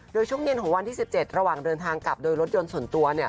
โดยช่วงเย็นของวันที่๑๗ระหว่างเดินทางกลับโดยรถยนต์ส่วนตัว